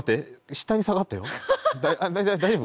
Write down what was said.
下に下がったよ大丈夫？